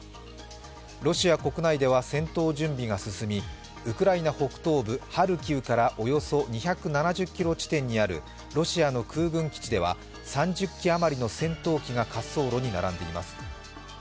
ロシア国内では戦闘準備が進み、ウクライナ北東部ハルキウからおよそ２７０ｋｍ地点にあるロシアの空軍基地では３０機余りの戦闘機が滑走路に並んでいます。